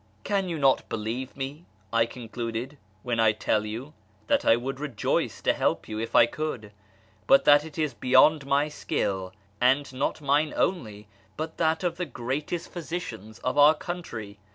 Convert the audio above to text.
" Can you not believe me," I concluded, " when I tell you that I would rejoice to help you if I could, but that it is beyond my skill, and not mine only, but that of the greatest physicians of our country